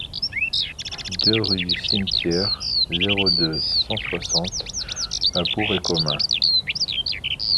deux rue du Cimetière, zéro deux, cent soixante à Bourg-et-Comin